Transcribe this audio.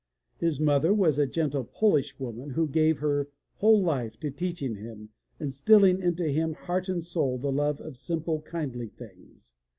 His mother was a gentle Polish woman who gave her whole life to teaching him, instilling into him, heart and soul, the love of simple, kindly things.